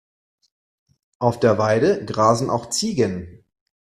Auf der Weide grasen auch Ziegen.